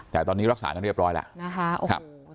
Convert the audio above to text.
แต่ตอนนี้รักษากันเรียบร้อยแล้วนะคะ